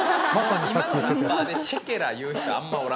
もう今のラッパーで「チェケラ」言う人あんまおらんっすよ